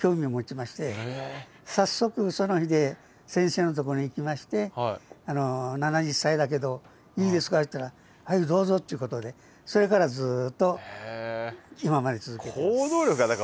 早速その日で先生のところに行きまして「７０歳だけどいいですか？」と言ったら「はいどうぞ」ということでそれからずっと今まで続けてます。